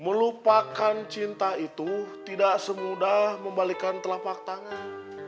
melupakan cinta itu tidak semudah membalikan telapak tangan